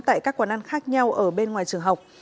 tại các quán ăn khác nhau ở bên ngoài trường học